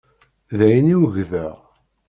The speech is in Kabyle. D ayen i ugdeɣ.